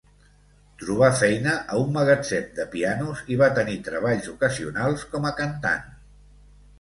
Trobà feina a un magatzem de pianos i va tenir treballs ocasionals com a cantant.